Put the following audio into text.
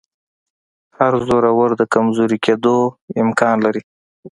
هر زورور د کمزوري کېدو امکان لري